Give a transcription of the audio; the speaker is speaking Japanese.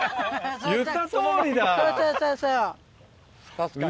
確かに。